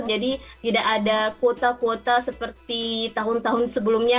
jadi tidak ada kuota kuota seperti tahun tahun sebelumnya